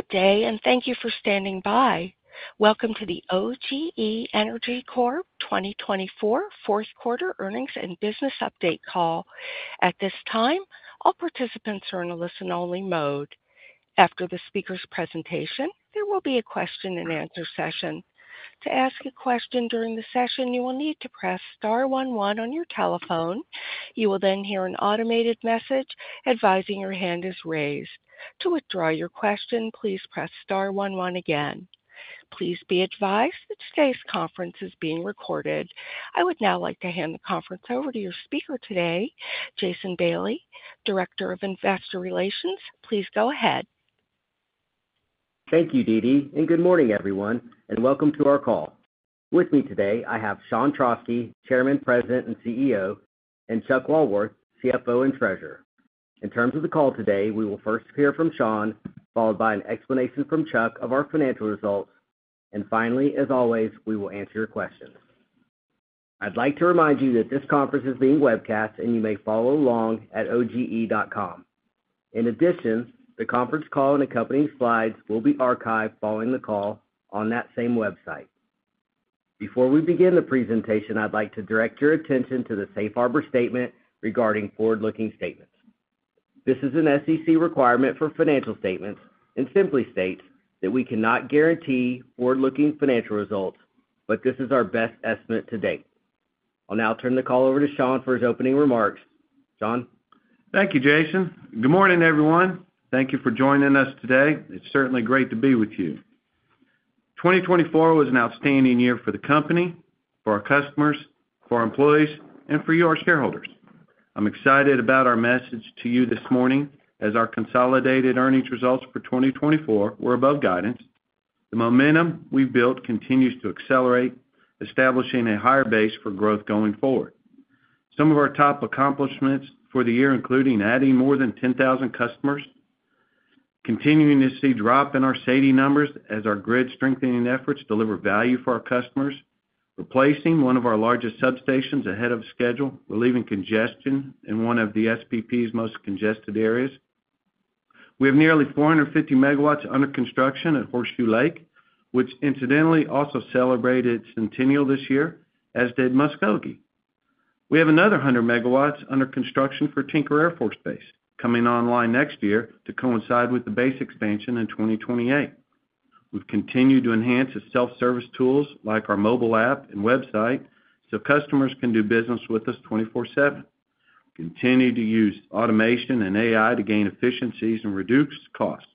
Good day, and thank you for standing by. Welcome to the OGE Energy Corp 2024 Fourth Quarter Earnings and Business Update call. At this time, all participants are in a listen-only mode. After the speaker's presentation, there will be a question-and-answer session. To ask a question during the session, you will need to press star 11 on your telephone. You will then hear an automated message advising your hand is raised. To withdraw your question, please press star 11 again. Please be advised that today's conference is being recorded. I would now like to hand the conference over to your speaker today, Jason Bailey, Director of Investor Relations. Please go ahead. Thank you, DeeDee, and good morning, everyone, and welcome to our call. With me today, I have Sean Trauschke, Chairman, President, and CEO, and Chuck Walworth, CFO and Treasurer. In terms of the call today, we will first hear from Sean, followed by an explanation from Chuck of our financial results, and finally, as always, we will answer your questions. I'd like to remind you that this conference is being webcast, and you may follow along at OGE.com. In addition, the conference call and accompanying slides will be archived following the call on that same website. Before we begin the presentation, I'd like to direct your attention to the Safe Harbor Statement regarding forward-looking statements. This is an SEC requirement for financial statements and simply states that we cannot guarantee forward-looking financial results, but this is our best estimate to date. I'll now turn the call over to Sean for his opening remarks. Sean. Thank you, Jason. Good morning, everyone. Thank you for joining us today. It's certainly great to be with you. 2024 was an outstanding year for the company, for our customers, for our employees, and for you, our shareholders. I'm excited about our message to you this morning as our consolidated earnings results for 2024 were above guidance. The momentum we've built continues to accelerate, establishing a higher base for growth going forward. Some of our top accomplishments for the year include adding more than 10,000 customers, continuing to see a drop in our SAIDI numbers as our grid strengthening efforts deliver value for our customers, replacing one of our largest substations ahead of schedule, relieving congestion in one of the SPP's most congested areas. We have nearly 450 megawatts under construction at Horseshoe Lake, which incidentally also celebrated its centennial this year, as did Muskogee. We have another 100 megawatts under construction for Tinker Air Force Base, coming online next year to coincide with the base expansion in 2028. We've continued to enhance self-service tools like our mobile app and website so customers can do business with us 24/7. We continue to use automation and AI to gain efficiencies and reduce costs,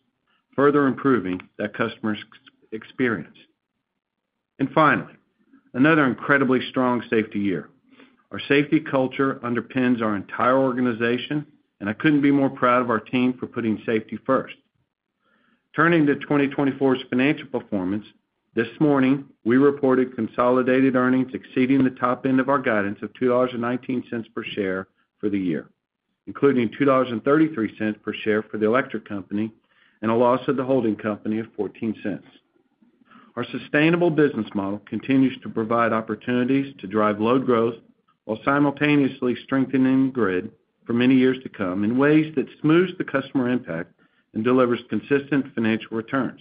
further improving that customer's experience, and finally, another incredibly strong safety year. Our safety culture underpins our entire organization, and I couldn't be more proud of our team for putting safety first. Turning to 2024's financial performance, this morning we reported consolidated earnings exceeding the top end of our guidance of $2.19 per share for the year, including $2.33 per share for the electric company and a loss of the holding company of $0.14. Our sustainable business model continues to provide opportunities to drive load growth while simultaneously strengthening the grid for many years to come in ways that smooth the customer impact and deliver consistent financial returns.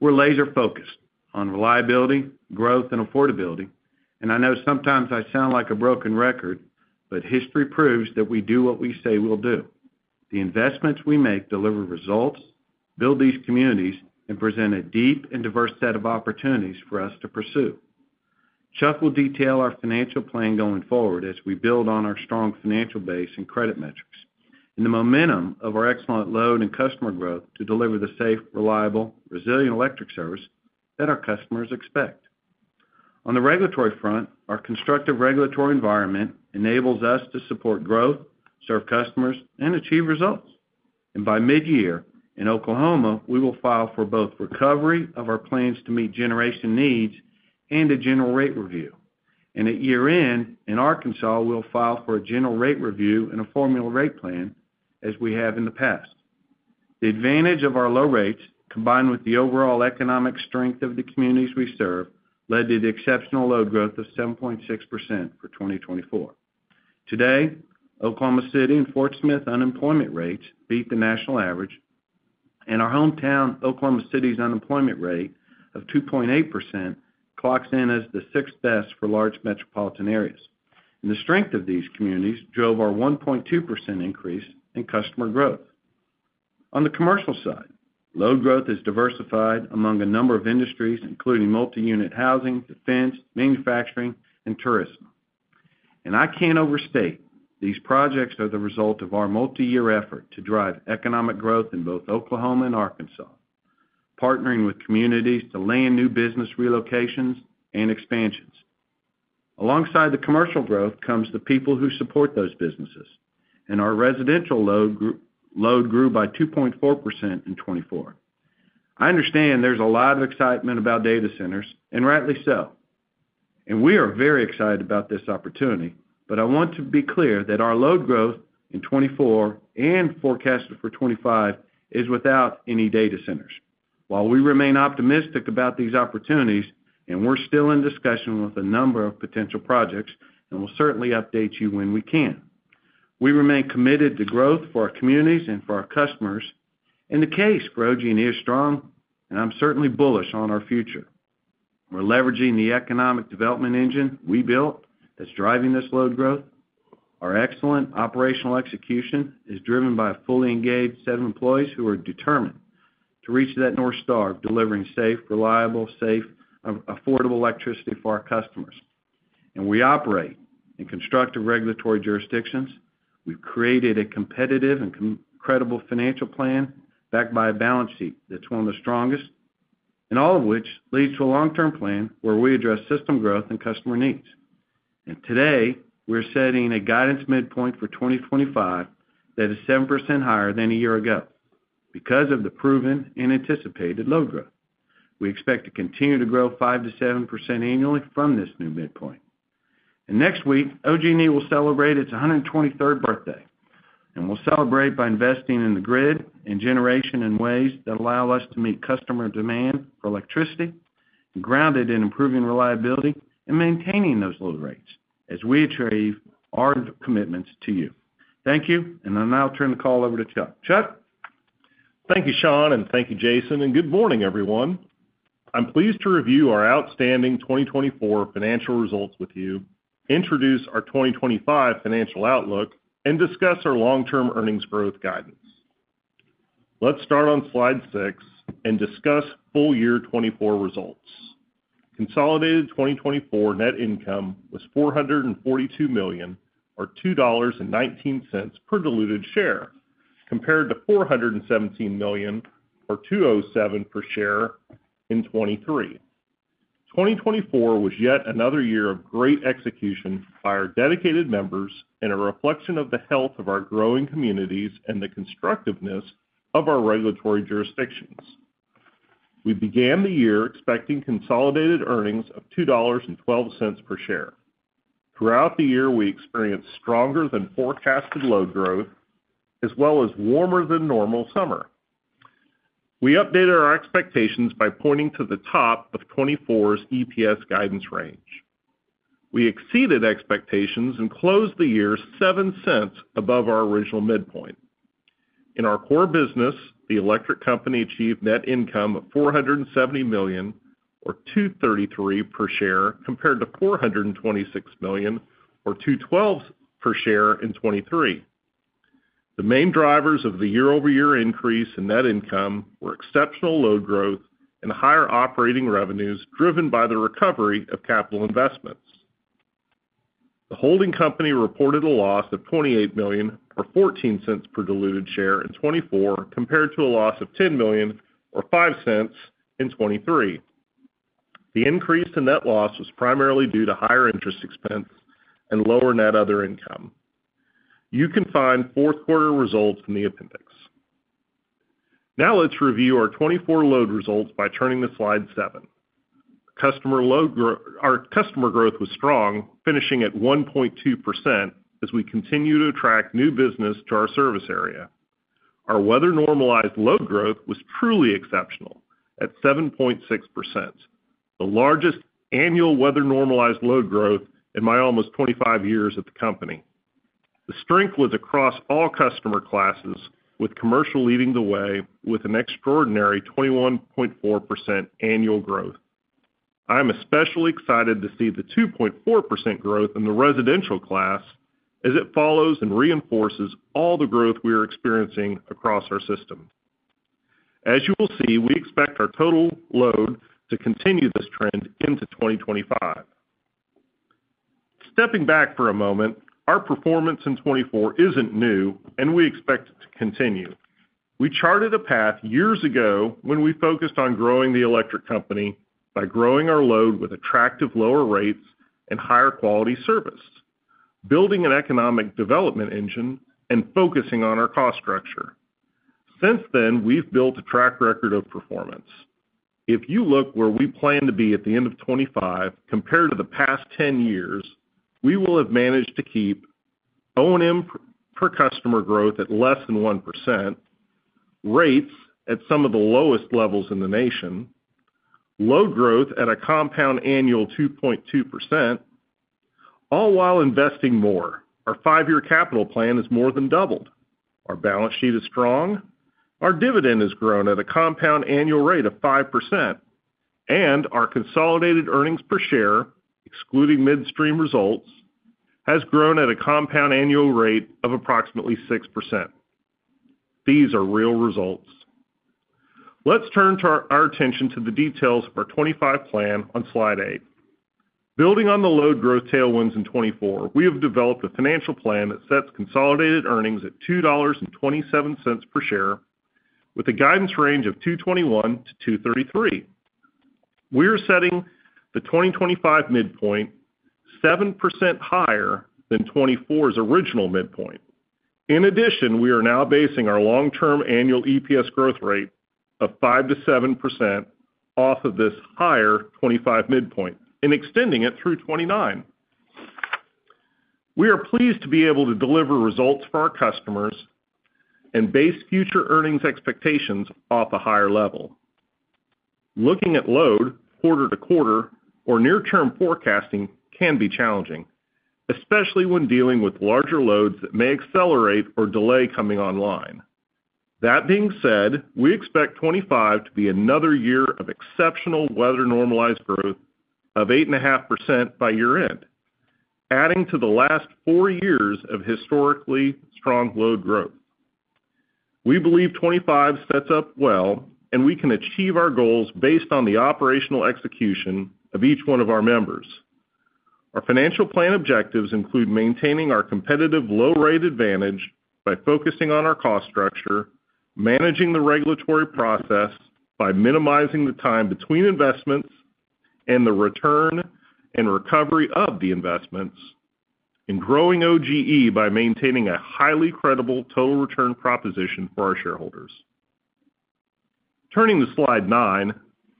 We're laser-focused on reliability, growth, and affordability, and I know sometimes I sound like a broken record, but history proves that we do what we say we'll do. The investments we make deliver results, build these communities, and present a deep and diverse set of opportunities for us to pursue. Chuck will detail our financial plan going forward as we build on our strong financial base and credit metrics and the momentum of our excellent load and customer growth to deliver the safe, reliable, resilient electric service that our customers expect. On the regulatory front, our constructive regulatory environment enables us to support growth, serve customers, and achieve results. By mid-year in Oklahoma, we will file for both recovery of our plans to meet generation needs and a general rate review. At year-end in Arkansas, we'll file for a general rate review and a formula rate plan as we have in the past. The advantage of our low rates, combined with the overall economic strength of the communities we serve, led to the exceptional load growth of 7.6% for 2024. Today, Oklahoma City and Fort Smith unemployment rates beat the national average, and our hometown, Oklahoma City's unemployment rate of 2.8% clocks in as the sixth best for large metropolitan areas. The strength of these communities drove our 1.2% increase in customer growth. On the commercial side, load growth is diversified among a number of industries, including multi-unit housing, defense, manufacturing, and tourism. I can't overstate these projects are the result of our multi-year effort to drive economic growth in both Oklahoma and Arkansas, partnering with communities to land new business relocations and expansions. Alongside the commercial growth comes the people who support those businesses, and our residential load grew by 2.4% in 2024. I understand there's a lot of excitement about data centers, and rightly so. We are very excited about this opportunity, but I want to be clear that our load growth in 2024 and forecasted for 2025 is without any data centers. While we remain optimistic about these opportunities, and we're still in discussion with a number of potential projects, and we'll certainly update you when we can. We remain committed to growth for our communities and for our customers. In the case, for OGE Energy Jason, I'm certainly bullish on our future. We're leveraging the economic development engine we built that's driving this load growth. Our excellent operational execution is driven by fully engaged set of employees who are determined to reach that north star of delivering safe, reliable, safe, affordable electricity for our customers. And we operate in constructive regulatory jurisdictions. We've created a competitive and credible financial plan backed by a balance sheet that's one of the strongest, and all of which leads to a long-term plan where we address system growth and customer needs. And today, we're setting a guidance midpoint for 2025 that is 7% higher than a year ago because of the proven and anticipated load growth. We expect to continue to grow 5%-7% annually from this new midpoint. And next week, OG&E will celebrate its 123rd birthday, and we'll celebrate by investing in the grid and generation in ways that allow us to meet customer demand for electricity, grounded in improving reliability and maintaining those low rates as we achieve our commitments to you. Thank you, and I'll now turn the call over to Chuck. Chuck. Thank you, Sean, and thank you, Jason, and good morning, everyone. I'm pleased to review our outstanding 2024 financial results with you, introduce our 2025 financial outlook, and discuss our long-term earnings growth guidance. Let's start on slide six and discuss full year 2024 results. Consolidated 2024 net income was $442 million, or $2.19 per diluted share, compared to $417 million, or $2.07 per share in 2023. 2024 was yet another year of great execution by our dedicated members and a reflection of the health of our growing communities and the constructiveness of our regulatory jurisdictions. We began the year expecting consolidated earnings of $2.12 per share. Throughout the year, we experienced stronger than forecasted load growth, as well as warmer than normal summer. We updated our expectations by pointing to the top of 2024's EPS guidance range. We exceeded expectations and closed the year $0.07 above our original midpoint. In our core business, the electric company achieved net income of $470 million, or $2.33 per share, compared to $426 million, or $2.12 per share in 2023. The main drivers of the year-over-year increase in net income were exceptional load growth and higher operating revenues driven by the recovery of capital investments. The holding company reported a loss of $28 million, or $0.14 per diluted share in 2024, compared to a loss of $10 million, or $0.05 in 2023. The increase in net loss was primarily due to higher interest expense and lower net other income. You can find fourth-quarter results in the appendix. Now let's review our 2024 load results by turning to slide seven. Customer growth was strong, finishing at 1.2% as we continue to attract new business to our service area. Our weather-normalized load growth was truly exceptional at 7.6%, the largest annual weather-normalized load growth in my almost 25 years at the company. The strength was across all customer classes, with commercial leading the way with an extraordinary 21.4% annual growth. I'm especially excited to see the 2.4% growth in the residential class as it follows and reinforces all the growth we are experiencing across our system. As you will see, we expect our total load to continue this trend into 2025. Stepping back for a moment, our performance in 2024 isn't new, and we expect it to continue. We charted a path years ago when we focused on growing the electric company by growing our load with attractive lower rates and higher quality service, building an economic development engine, and focusing on our cost structure. Since then, we've built a track record of performance. If you look where we plan to be at the end of 2025 compared to the past 10 years, we will have managed to keep O&M per customer growth at less than 1%, rates at some of the lowest levels in the nation, load growth at a compound annual 2.2%, all while investing more. Our five-year capital plan is more than doubled. Our balance sheet is strong. Our dividend has grown at a compound annual rate of 5%, and our consolidated earnings per share, excluding midstream results, has grown at a compound annual rate of approximately 6%. These are real results. Let's turn our attention to the details of our 2025 plan on slide eight. Building on the load growth tailwinds in 2024, we have developed a financial plan that sets consolidated earnings at $2.27 per share with a guidance range of $2.21 to $2.33. We are setting the 2025 midpoint 7% higher than 2024's original midpoint. In addition, we are now basing our long-term annual EPS growth rate of 5% to 7% off of this higher 2025 midpoint and extending it through 2029. We are pleased to be able to deliver results for our customers and base future earnings expectations off a higher level. Looking at load quarter to quarter or near-term forecasting can be challenging, especially when dealing with larger loads that may accelerate or delay coming online. That being said, we expect 2025 to be another year of exceptional weather-normalized growth of 8.5% by year-end, adding to the last four years of historically strong load growth. We believe 2025 sets up well, and we can achieve our goals based on the operational execution of each one of our members. Our financial plan objectives include maintaining our competitive low-rate advantage by focusing on our cost structure, managing the regulatory process by minimizing the time between investments and the return and recovery of the investments, and growing OGE by maintaining a highly credible total return proposition for our shareholders. Turning to slide nine,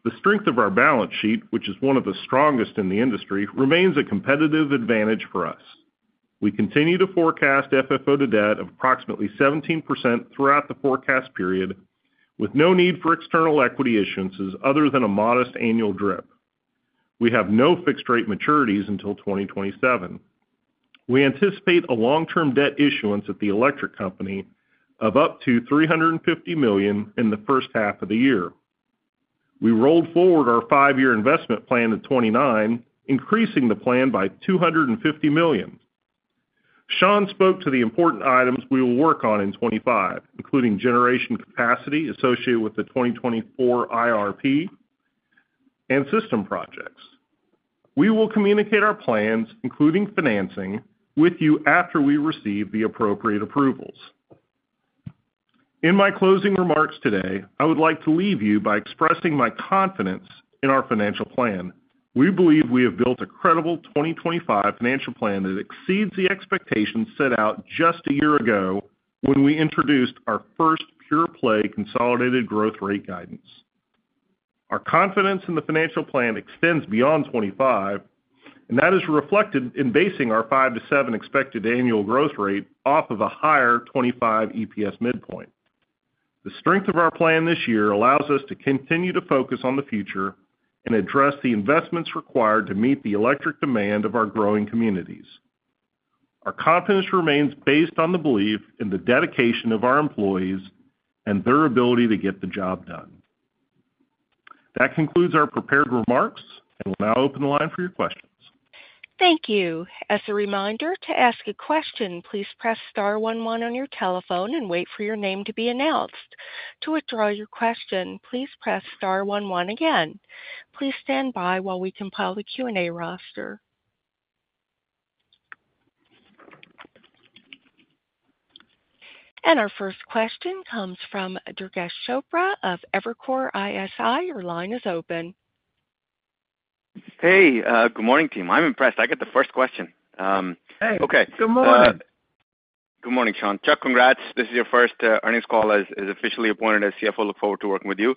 the strength of our balance sheet, which is one of the strongest in the industry, remains a competitive advantage for us. We continue to forecast FFO to debt of approximately 17% throughout the forecast period, with no need for external equity issuances other than a modest annual DRIP. We have no fixed-rate maturities until 2027. We anticipate a long-term debt issuance at the electric company of up to $350 million in the first half of the year. We rolled forward our five-year investment plan to 2029, increasing the plan by $250 million. Sean spoke to the important items we will work on in 2025, including generation capacity associated with the 2024 IRP and system projects. We will communicate our plans, including financing, with you after we receive the appropriate approvals. In my closing remarks today, I would like to leave you by expressing my confidence in our financial plan. We believe we have built a credible 2025 financial plan that exceeds the expectations set out just a year ago when we introduced our first pure-play consolidated growth rate guidance. Our confidence in the financial plan extends beyond 2025, and that is reflected in basing our 5% to 7% expected annual growth rate off of a higher 2025 EPS midpoint. The strength of our plan this year allows us to continue to focus on the future and address the investments required to meet the electric demand of our growing communities. Our confidence remains based on the belief in the dedication of our employees and their ability to get the job done. That concludes our prepared remarks, and we'll now open the line for your questions. Thank you. As a reminder, to ask a question, please press star 11 on your telephone and wait for your name to be announced. To withdraw your question, please press star 11 again. Please stand by while we compile the Q&A roster. And our first question comes from Durgesh Chopra of Evercore ISI. Your line is open. Hey, good morning, team. I'm impressed. I got the first question. Hey. Okay. Good morning. Good morning, Sean. Chuck, congrats. This is your first earnings call as officially appointed as CFO. Look forward to working with you.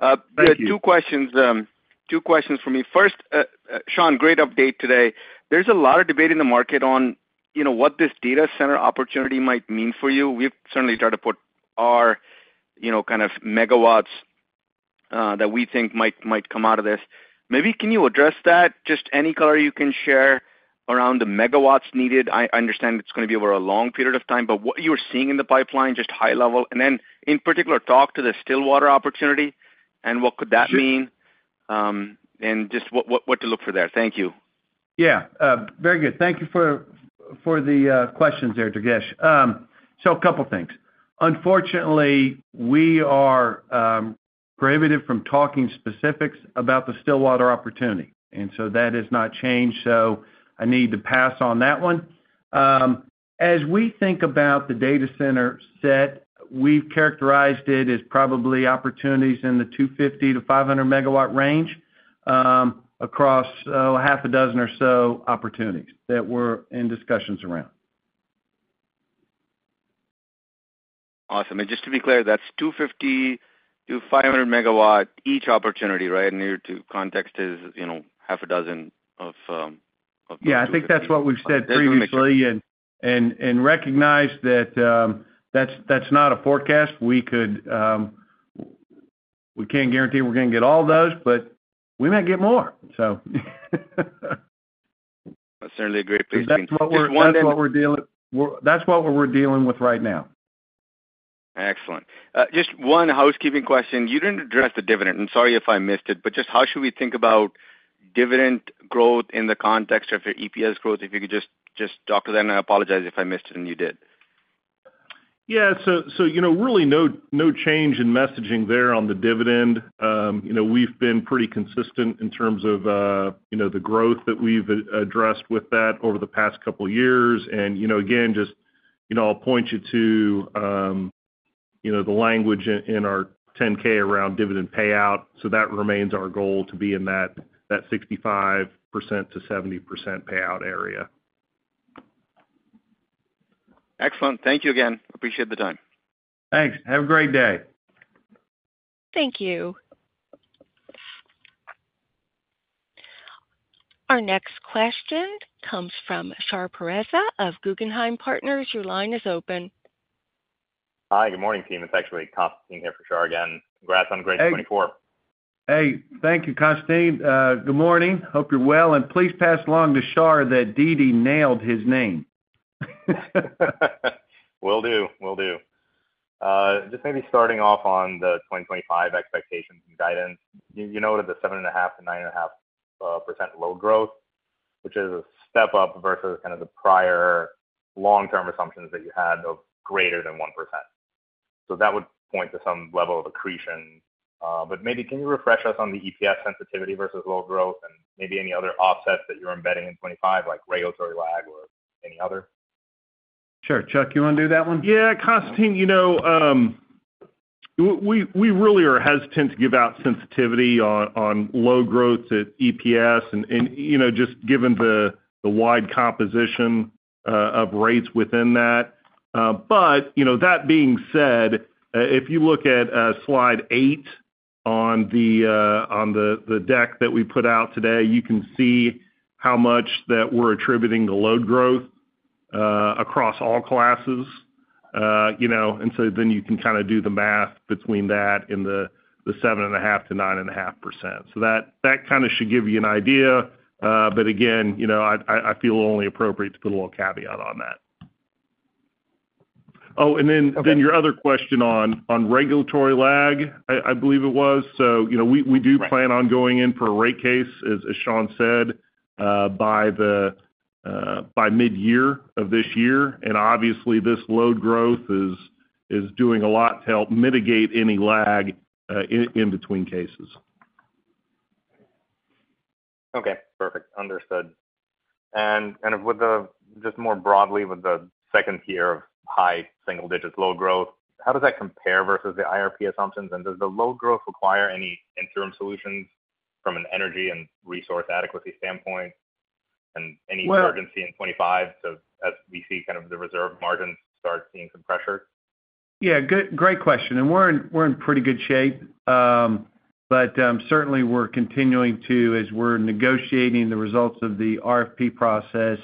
Thank you. Two questions for me. First, Sean, great update today. There's a lot of debate in the market on what this data center opportunity might mean for you. We've certainly tried to put our kind of megawatts that we think might come out of this. Maybe can you address that? Just any color you can share around the megawatts needed. I understand it's going to be over a long period of time, but what you're seeing in the pipeline, just high level, and then in particular, talk to the Stillwater opportunity and what could that mean and just what to look for there. Thank you. Yeah. Very good. Thank you for the questions there, Durgesh. So a couple of things. Unfortunately, we are prohibited from talking specifics about the Stillwater opportunity, and so that has not changed. So I need to pass on that one. As we think about the data center set, we've characterized it as probably opportunities in the 250-500 megawatts range across half a dozen or so opportunities that we're in discussions around. Awesome. And just to be clear, that's 250 to 500 megawatts each opportunity, right? And your context is half a dozen of. Yeah, I think that's what we've said previously, and recognize that that's not a forecast. We can't guarantee we're going to get all those, but we might get more, so. That's certainly a great place to be. That's what we're dealing with right now. Excellent. Just one housekeeping question. You didn't address the dividend. I'm sorry if I missed it, but just how should we think about dividend growth in the context of your EPS growth? If you could just talk to that, and I apologize if I missed it and you did. Yeah. So really no change in messaging there on the dividend. We've been pretty consistent in terms of the growth that we've addressed with that over the past couple of years. And again, just I'll point you to the language in our 10-K around dividend payout. So that remains our goal to be in that 65%-70% payout area. Excellent. Thank you again. Appreciate the time. Thanks. Have a great day. Thank you. Our next question comes from Shar Pourreza of Guggenheim Partners. Your line is open. Hi. Good morning, team. It's actually Constantine here for Shar again. Congrats on great 2024. Hey. Thank you, Constantine. Good morning. Hope you're well. And please pass along to Shar that DD nailed his name. Will do. Will do. Just maybe starting off on the 2025 expectations and guidance. You noted the 7.5%-9.5% load growth, which is a step up versus kind of the prior long-term assumptions that you had of greater than 1%. So that would point to some level of accretion. But maybe can you refresh us on the EPS sensitivity versus load growth and maybe any other offsets that you're embedding in 2025, like regulatory lag or any other? Sure. Chuck, you want to do that one? Yeah. Constantine, we really are hesitant to give out sensitivity on load growth at EPS just given the wide composition of rates within that. But that being said, if you look at slide eight on the deck that we put out today, you can see how much that we're attributing to load growth across all classes. And so then you can kind of do the math between that and the 7.5%-9.5%. So that kind of should give you an idea. But again, I feel only appropriate to put a little caveat on that. Oh, and then your other question on regulatory lag, I believe it was. So we do plan on going in for a rate case, as Sean said, by mid-year of this year. And obviously, this load growth is doing a lot to help mitigate any lag in between cases. Okay. Perfect. Understood. And kind of just more broadly, with the second tier of high single-digit load growth, how does that compare versus the IRP assumptions? And does the load growth require any interim solutions from an energy and resource adequacy standpoint and any urgency in 2025 as we see kind of the reserve margins start seeing some pressure? Yeah. Great question, and we're in pretty good shape, but certainly, we're continuing to, as we're negotiating the results of the RFP process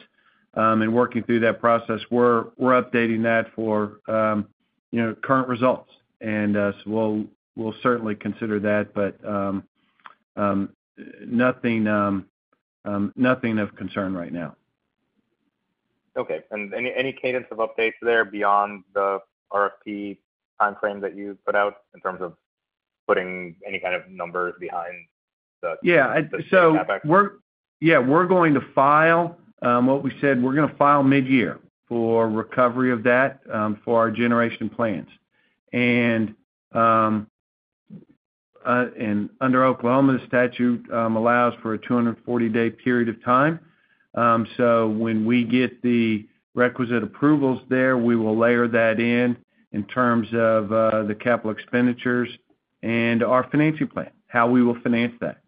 and working through that process, we're updating that for current results, and so we'll certainly consider that, but nothing of concern right now. Okay. And any cadence of updates there beyond the RFP timeframe that you put out in terms of putting any kind of numbers behind the. Yeah. So we're. CAPEX? Yeah. We're going to file what we said. We're going to file mid-year for recovery of that for our generation plans. And under Oklahoma, the statute allows for a 240-day period of time. So when we get the requisite approvals there, we will layer that in in terms of the capital expenditures and our financing plan, how we will finance that.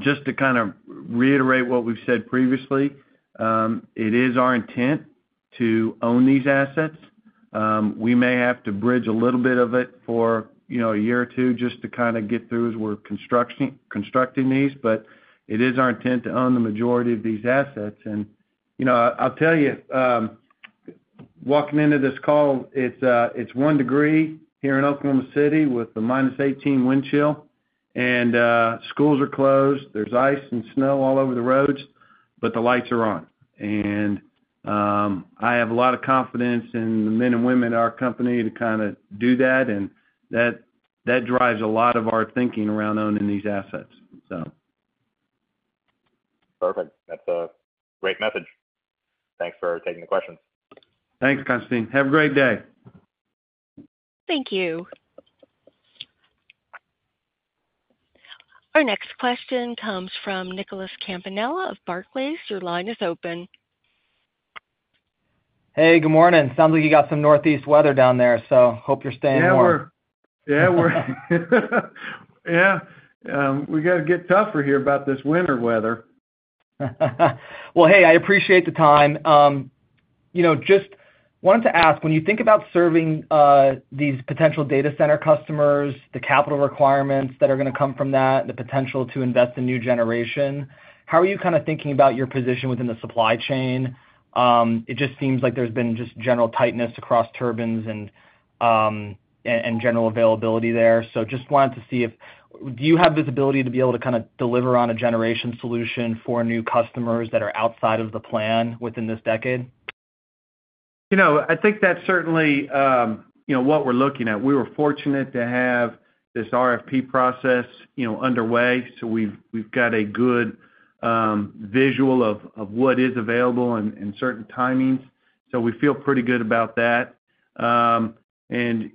Just to kind of reiterate what we've said previously, it is our intent to own these assets. We may have to bridge a little bit of it for a year or two just to kind of get through as we're constructing these, but it is our intent to own the majority of these assets. And I'll tell you, walking into this call, it's one degree Fahrenheit here in Oklahoma City with a minus-18 wind chill, and schools are closed. There's ice and snow all over the roads, but the lights are on. And I have a lot of confidence in the men and women at our company to kind of do that. And that drives a lot of our thinking around owning these assets, so. Perfect. That's a great message. Thanks for taking the questions. Thanks, Constantine. Have a great day. Thank you. Our next question comes from Nicholas Campanella of Barclays. Your line is open. Hey, good morning. Sounds like you got some northeast weather down there, so hope you're staying warm. Yeah. We're. Yeah. We're. Yeah. We got to get tougher here about this winter weather. Hey, I appreciate the time. Just wanted to ask, when you think about serving these potential data center customers, the capital requirements that are going to come from that, and the potential to invest in new generation, how are you kind of thinking about your position within the supply chain? It just seems like there's been just general tightness across turbines and general availability there. So just wanted to see if do you have visibility to be able to kind of deliver on a generation solution for new customers that are outside of the plan within this decade? I think that's certainly what we're looking at. We were fortunate to have this RFP process underway, so we've got a good visual of what is available in certain timings. So we feel pretty good about that. And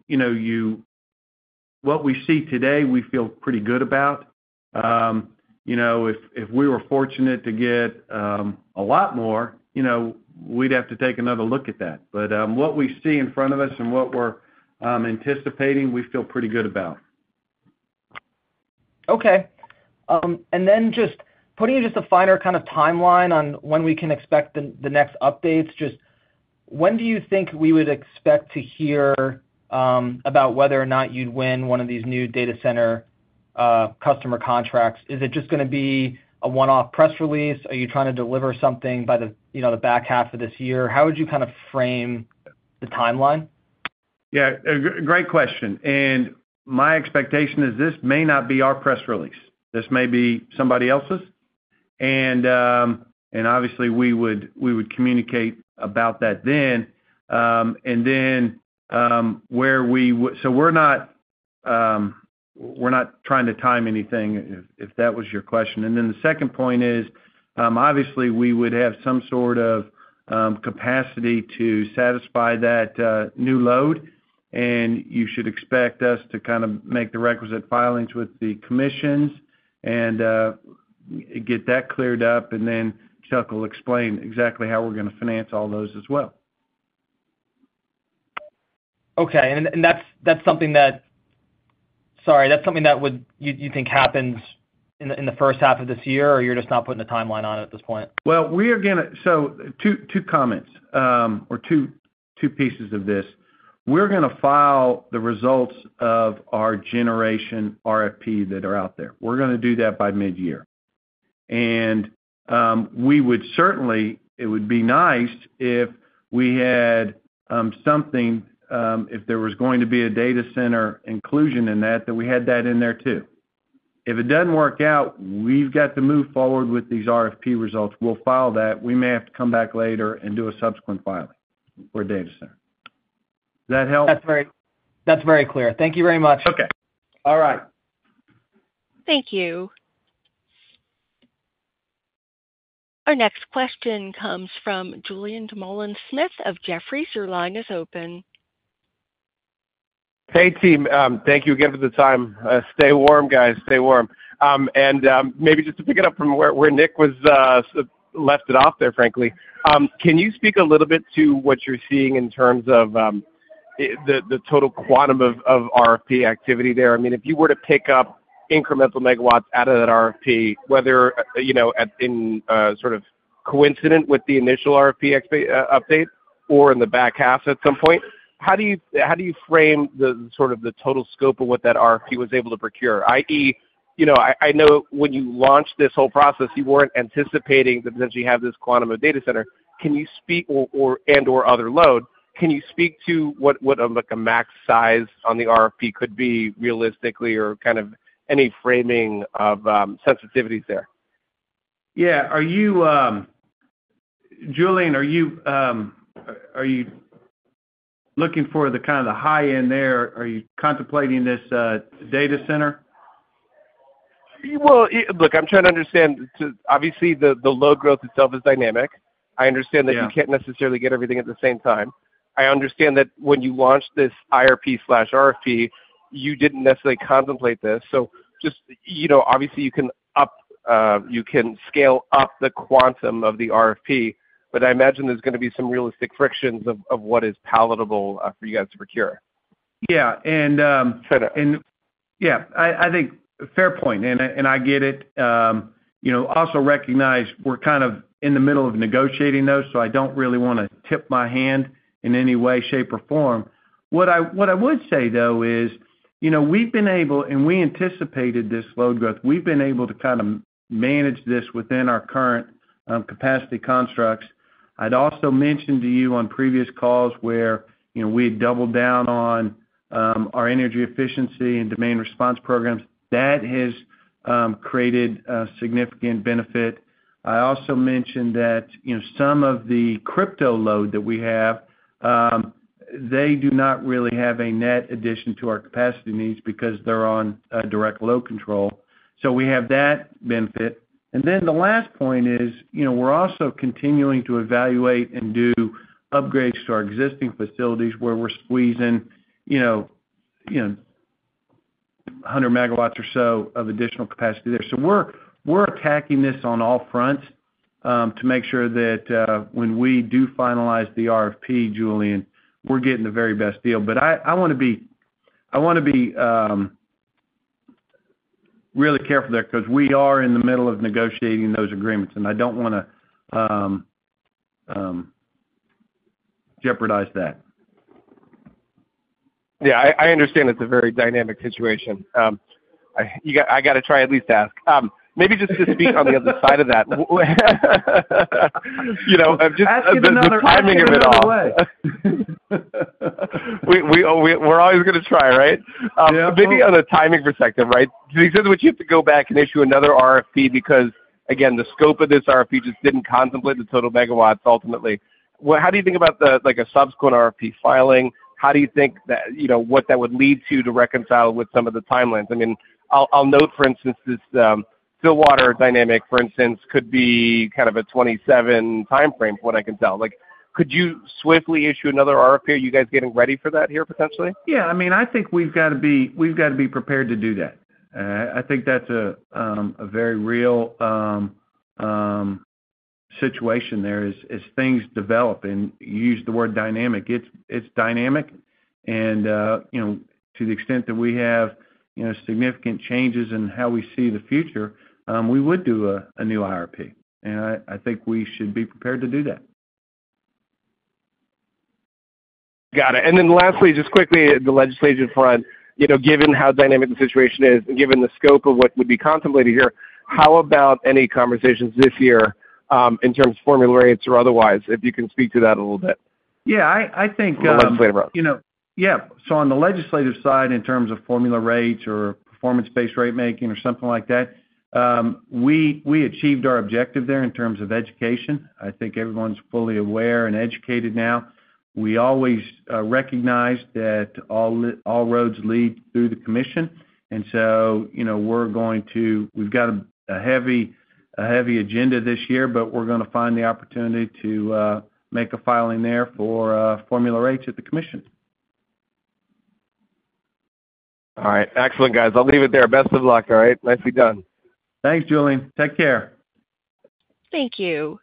what we see today, we feel pretty good about. If we were fortunate to get a lot more, we'd have to take another look at that. But what we see in front of us and what we're anticipating, we feel pretty good about. Okay. And then just putting just a finer kind of timeline on when we can expect the next updates, just when do you think we would expect to hear about whether or not you'd win one of these new data center customer contracts? Is it just going to be a one-off press release? Are you trying to deliver something by the back half of this year? How would you kind of frame the timeline? Yeah. Great question. And my expectation is this may not be our press release. This may be somebody else's. And obviously, we would communicate about that then. And then we're not trying to time anything, if that was your question. And then the second point is, obviously, we would have some sort of capacity to satisfy that new load, and you should expect us to kind of make the requisite filings with the commissions and get that cleared up. And then Chuck will explain exactly how we're going to finance all those as well. Okay. And that's something that you think happens in the first half of this year, or you're just not putting a timeline on it at this point? We are going to do two comments or two pieces of this. We're going to file the results of our generation RFP that are out there. We're going to do that by mid-year. We would certainly like it if we had something if there was going to be a data center inclusion in that, that we had that in there too. If it doesn't work out, we've got to move forward with these RFP results. We'll file that. We may have to come back later and do a subsequent filing for a data center. Does that help? That's very clear. Thank you very much. Okay. All right. Thank you. Our next question comes from Julien Dumoulin-Smith of Jefferies. Your line is open. Hey, team. Thank you again for the time. Stay warm, guys. Stay warm. And maybe just to pick it up from where Nick left it off there, frankly, can you speak a little bit to what you're seeing in terms of the total quantum of RFP activity there? I mean, if you were to pick up incremental megawatts out of that RFP, whether in sort of coincident with the initial RFP update or in the back half at some point, how do you frame sort of the total scope of what that RFP was able to procure? I know when you launched this whole process, you weren't anticipating that you have this quantum of data center. And/or other load. Can you speak to what a max size on the RFP could be realistically or kind of any framing of sensitivities there? Yeah. Julien, are you looking for the kind of the high end there? Are you contemplating this data center? Well, look, I'm trying to understand. Obviously, the load growth itself is dynamic. I understand that you can't necessarily get everything at the same time. I understand that when you launched this IRP/RFP, you didn't necessarily contemplate this. So just obviously, you can scale up the quantum of the RFP, but I imagine there's going to be some realistic frictions of what is palatable for you guys to procure. Yeah. And. Fair enough. Yeah. I think fair point, and I get it. Also recognize we're kind of in the middle of negotiating those, so I don't really want to tip my hand in any way, shape, or form. What I would say, though, is we've been able and we anticipated this load growth. We've been able to kind of manage this within our current capacity constructs. I'd also mentioned to you on previous calls where we had doubled down on our energy efficiency and demand response programs. That has created a significant benefit. I also mentioned that some of the crypto load that we have, they do not really have a net addition to our capacity needs because they're on direct load control. So we have that benefit. And then the last point is we're also continuing to evaluate and do upgrades to our existing facilities where we're squeezing 100 megawatts or so of additional capacity there. So we're attacking this on all fronts to make sure that when we do finalize the RFP, Julien, we're getting the very best deal. But I want to be really careful there because we are in the middle of negotiating those agreements, and I don't want to jeopardize that. Yeah. I understand it's a very dynamic situation. I got to try at least to ask. Maybe just to speak on the other side of that. I'm just. Ask another question. About the timing of it all. We're always going to try, right? Yeah. Maybe on a timing perspective, right? Because would you have to go back and issue another RFP because, again, the scope of this RFP just didn't contemplate the total megawatts ultimately? How do you think about a subsequent RFP filing? How do you think that what that would lead to to reconcile with some of the timelines? I mean, I'll note, for instance, this Stillwater dynamic, for instance, could be kind of a 2027 timeframe, from what I can tell. Could you swiftly issue another RFP? Are you guys getting ready for that here, potentially? Yeah. I mean, I think we've got to be prepared to do that. I think that's a very real situation there as things develop, and you used the word dynamic. It's dynamic, and to the extent that we have significant changes in how we see the future, we would do a new IRP, and I think we should be prepared to do that. Got it. And then lastly, just quickly, the legislative front, given how dynamic the situation is and given the scope of what would be contemplated here, how about any conversations this year in terms of formula rates or otherwise? If you can speak to that a little bit. Yeah. I think. We'll let you play the road. Yeah. So on the legislative side, in terms of formula rates or performance-based rate-making or something like that, we achieved our objective there in terms of education. I think everyone's fully aware and educated now. We always recognize that all roads lead through the commission. And so we've got a heavy agenda this year, but we're going to find the opportunity to make a filing there for formula rates at the commission. All right. Excellent, guys. I'll leave it there. Best of luck, all right? Nice to be done. Thanks, Julien. Take care. Thank you.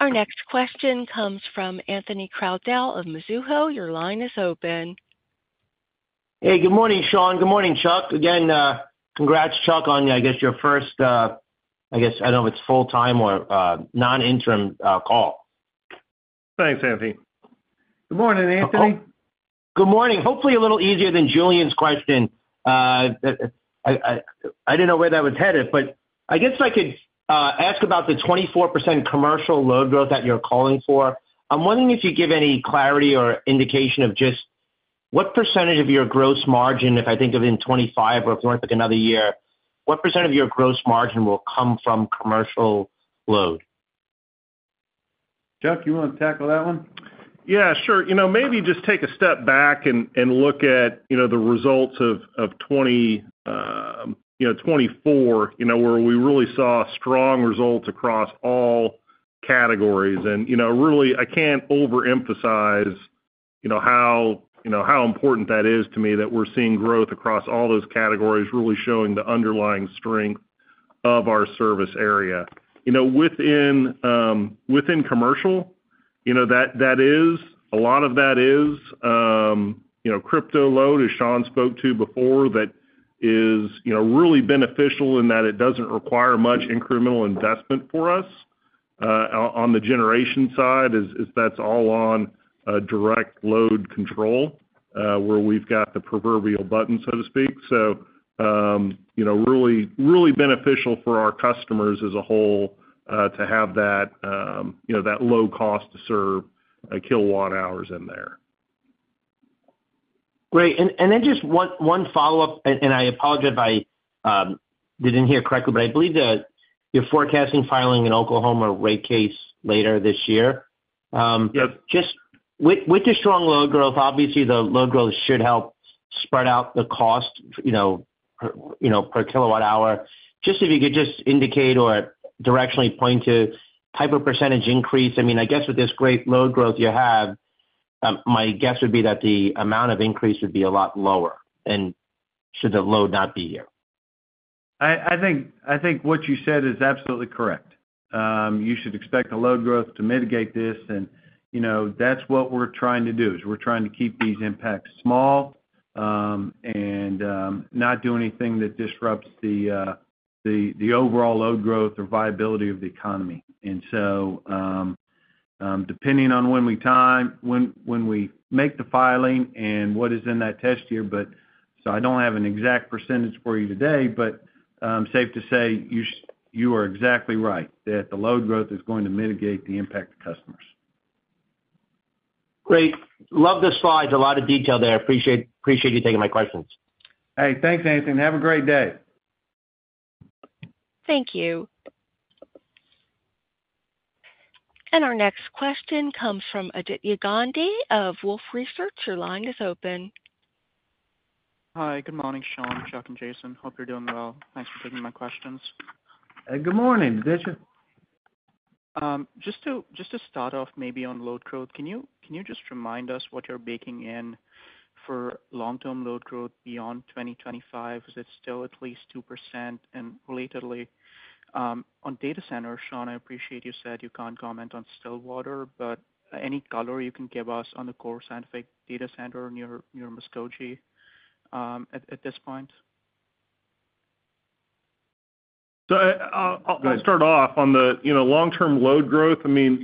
Our next question comes from Anthony Crowdell of Mizuho. Your line is open. Hey. Good morning, Sean. Good morning, Chuck. Again, congrats, Chuck, on, I guess, your first, I guess, I don't know if it's full-time or non-interim call. Thanks, Anthony. Good morning, Anthony. Good morning. Hopefully, a little easier than Julien's question. I didn't know where that was headed, but I guess I could ask about the 24% commercial load growth that you're calling for. I'm wondering if you give any clarity or indication of just what percentage of your gross margin, if I think of it in 2025 or if you want to pick another year, what percent of your gross margin will come from commercial load? Chuck, you want to tackle that one? Yeah. Sure. Maybe just take a step back and look at the results of 2024, where we really saw strong results across all categories, and really, I can't overemphasize how important that is to me that we're seeing growth across all those categories really showing the underlying strength of our service area. Within commercial, that is a lot of crypto load, as Sean spoke to before, that is really beneficial in that it doesn't require much incremental investment for us. On the generation side, that's all on direct load control, where we've got the proverbial button, so to speak, so really beneficial for our customers as a whole to have that low cost to serve kilowatt hours in there. Great. And then just one follow-up, and I apologize if I didn't hear correctly, but I believe that you're forecasting filing an Oklahoma rate case later this year. Yes. With the strong load growth, obviously, the load growth should help spread out the cost per kilowatt hour. Just if you could indicate or directionally point to type of percentage increase. I mean, I guess with this great load growth you have, my guess would be that the amount of increase would be a lot lower. And should the load not be here? I think what you said is absolutely correct. You should expect the load growth to mitigate this, and that's what we're trying to do, is we're trying to keep these impacts small and not do anything that disrupts the overall load growth or viability of the economy, and so depending on when we make the filing and what is in that test year, but so I don't have an exact percentage for you today, but safe to say you are exactly right that the load growth is going to mitigate the impact to customers. Great. Love the slides. A lot of detail there. Appreciate you taking my questions. Hey. Thanks, Anthony. Have a great day. Thank you, and our next question comes from Aditya Gandhi of Wolfe Research. Your line is open. Hi. Good morning, Sean, Chuck, and Jason. Hope you're doing well. Thanks for taking my questions. Good morning. Just to start off, maybe on load growth, can you just remind us what you're baking in for long-term load growth beyond 2025? Is it still at least 2%? And relatedly, on data centers, Sean, I appreciate you said you can't comment on Stillwater, but any color you can give us on the Core Scientific data center near Muskogee at this point? So I'll start off on the long-term load growth. I mean,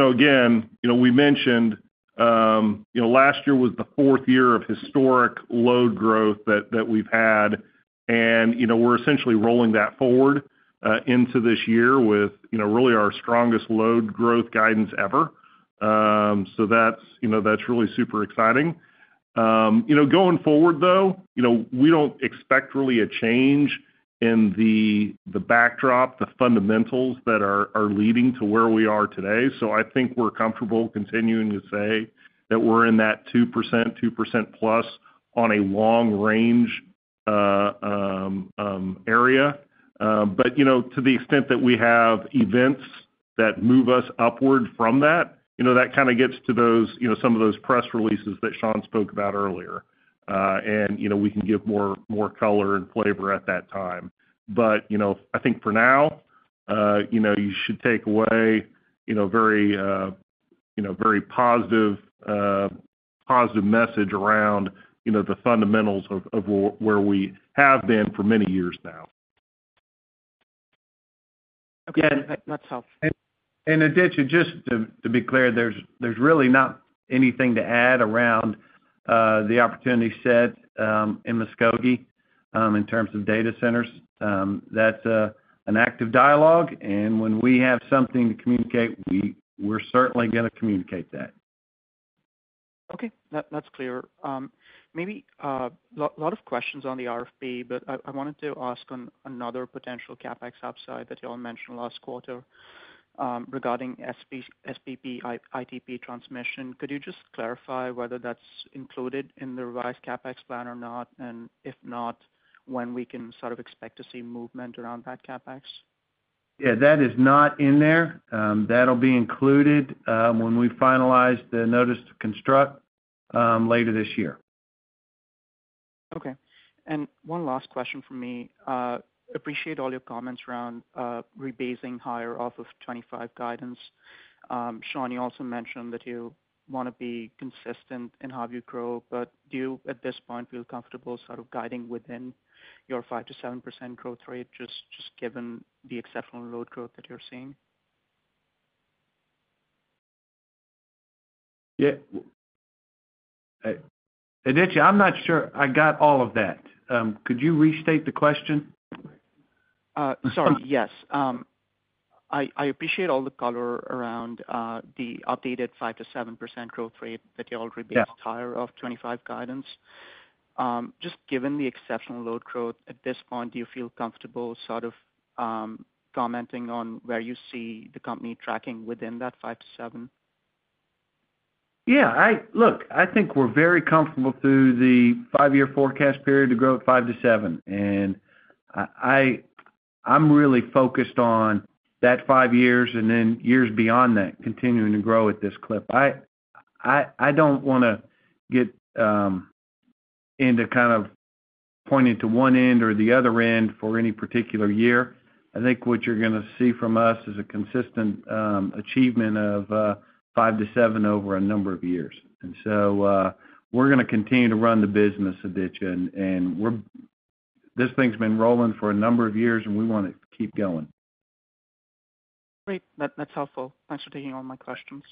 again, we mentioned last year was the fourth year of historic load growth that we've had. And we're essentially rolling that forward into this year with really our strongest load growth guidance ever. So that's really super exciting. Going forward, though, we don't expect really a change in the backdrop, the fundamentals that are leading to where we are today. So I think we're comfortable continuing to say that we're in that 2%, 2% plus on a long-range area. But to the extent that we have events that move us upward from that, that kind of gets to some of those press releases that Sean spoke about earlier. And we can give more color and flavor at that time. But I think for now, you should take away a very positive message around the fundamentals of where we have been for many years now. Again, that's helpful. And Aditya, just to be clear, there's really not anything to add around the opportunity set in Muskogee in terms of data centers. That's an active dialogue. And when we have something to communicate, we're certainly going to communicate that. Okay. That's clear. Maybe a lot of questions on the RFP, but I wanted to ask on another potential CapEx upside that you all mentioned last quarter regarding SPP ITP transmission. Could you just clarify whether that's included in the revised CapEx plan or not? And if not, when we can sort of expect to see movement around that CapEx? Yeah. That is not in there. That'll be included when we finalize the Notice to Construct later this year. Okay. And one last question from me. Appreciate all your comments around rebasing higher off of 2025 guidance. Sean, you also mentioned that you want to be consistent in how you grow. But do you, at this point, feel comfortable sort of guiding within your 5%-7% growth rate just given the exceptional load growth that you're seeing? Yeah. Aditya, I'm not sure I got all of that. Could you restate the question? Sorry. Yes. I appreciate all the color around the updated 5%-7% growth rate that you all rebased higher off 2025 guidance. Just given the exceptional load growth, at this point, do you feel comfortable sort of commenting on where you see the company tracking within that 5%-7%? Yeah. Look, I think we're very comfortable through the five-year forecast period to grow at 5%-7%. And I'm really focused on that five years and then years beyond that continuing to grow at this clip. I don't want to get into kind of pointing to one end or the other end for any particular year. I think what you're going to see from us is a consistent achievement of 5%-7% over a number of years. And so we're going to continue to run the business, Aditya. And this thing's been rolling for a number of years, and we want to keep going. Great. That's helpful. Thanks for taking all my questions.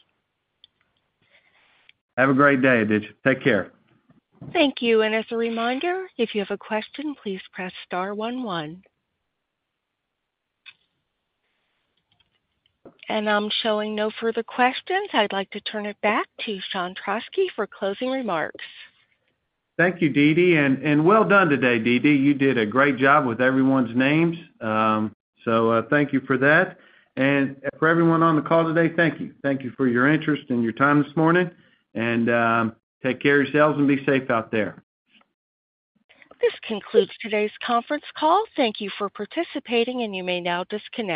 Have a great day, Aditya. Take care. Thank you. And as a reminder, if you have a question, please press star 11. And I'm showing no further questions. I'd like to turn it back to Sean Trauschke for closing remarks. Thank you, DeeDee. And well done today, DeeDee. You did a great job with everyone's names. So thank you for that. And for everyone on the call today, thank you. Thank you for your interest and your time this morning. And take care of yourselves and be safe out there. This concludes today's conference call. Thank you for participating, and you may now disconnect.